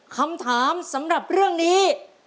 คำถามสำหรับเรื่องนี้